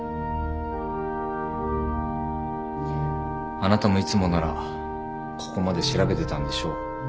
あなたもいつもならここまで調べてたんでしょう。